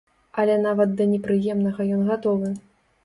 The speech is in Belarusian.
Але нават да непрыемнага ён гатовы.